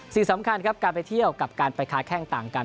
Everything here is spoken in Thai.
สิ่งสำคัญครับการไปเที่ยวกับการไปค้าแข้งต่างกัน